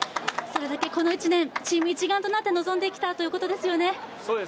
それだけこの１年、チーム一丸となって臨んできたということですよね。